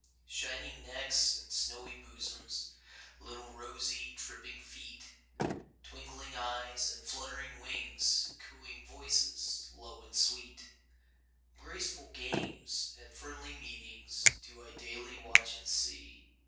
Shining necks and snowy bosoms, Little rosy, tripping feet, Twinkling eyes and fluttering wings, Cooing voices, low and sweet, Graceful games and friendly meetings, Do I daily watch and see.